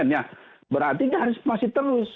ya berarti harus masih terus